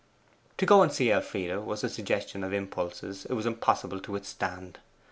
To go and see Elfride was the suggestion of impulses it was impossible to withstand.